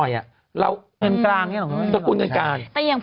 อึกอึกอึก